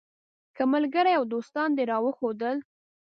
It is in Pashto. که ملګري او دوستان دې راوښودل.